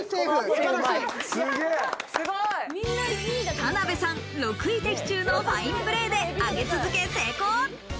田辺さん、６位的中のファインプレーで上げ続け成功。